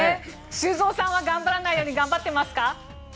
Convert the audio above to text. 修造さんは頑張らないように頑張ってますか。